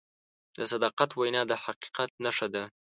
د صداقت وینا د حقیقت نښه ده.